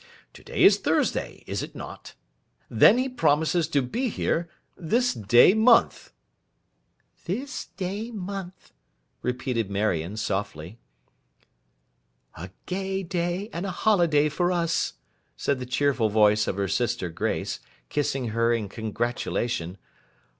To day is Thursday, is it not? Then he promises to be here, this day month.' 'This day month!' repeated Marion, softly. 'A gay day and a holiday for us,' said the cheerful voice of her sister Grace, kissing her in congratulation.